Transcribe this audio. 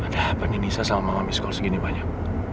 ada apa nih nisa sama mama miss kohl segini banyak